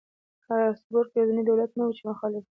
هابسبورګ یوازینی دولت نه و چې مخالف و.